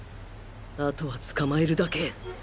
あとは捕まえるだけ！